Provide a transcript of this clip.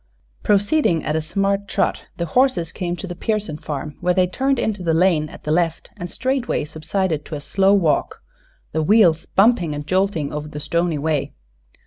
Proceeding at a smart trot the horses came to the Pearson farm, where they turned into the Jane at the left and straightway subsided to a slow walk, the wheels bumping and jolting over the stony way.